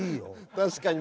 確かに。